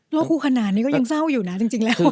คู่ขนาดนี้ก็ยังเศร้าอยู่นะจริงแล้ว